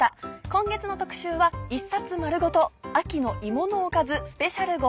今月の特集は１冊丸ごと秋の芋のおかずスペシャル号。